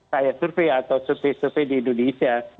saya survei atau survei survei di indonesia